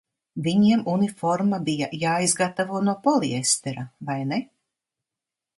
Viņiem uniforma bija jāizgatavo no poliestera, vai ne?